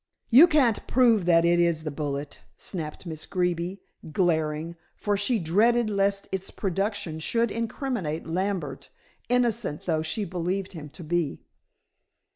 "You can't prove that it is the bullet," snapped Miss Greeby glaring, for she dreaded lest its production should incriminate Lambert, innocent though she believed him to be.